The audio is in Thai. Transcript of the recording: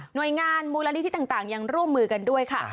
โดยงานมูลนิธิต่างยังร่วมมือกันด้วยค่ะ